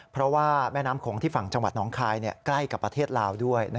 เพราะว่าแม่น้ำโขงที่ฝั่งจังหวัดน้องคายใกล้กับประเทศลาวด้วย